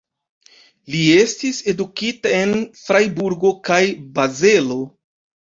Li estis edukita en Frajburgo kaj Bazelo.